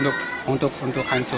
itu untuk hancur